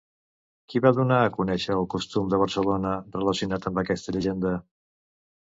Qui va donar a conèixer el costum de Barcelona relacionat amb aquesta llegenda?